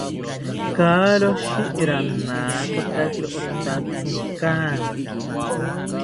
Karoshi ranakotakiro otatzinkantzi